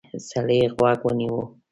سړی غوږ ونیو.